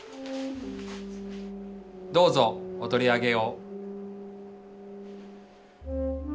どうぞおとりあげを。